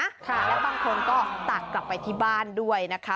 แล้วบางคนก็ตักกลับไปที่บ้านด้วยนะคะ